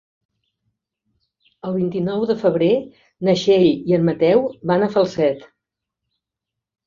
El vint-i-nou de febrer na Txell i en Mateu van a Falset.